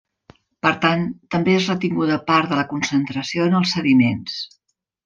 Per tant, també és retinguda part de la concentració en els sediments.